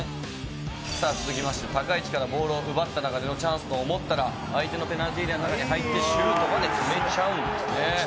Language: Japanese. さあ続きまして高い位置からボールを奪った中でのチャンスと思ったら相手のペナルティーエリアの中に入ってシュートまで決めちゃうんですね。